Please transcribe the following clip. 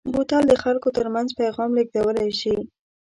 بوتل د خلکو ترمنځ پیغام لېږدولی شي.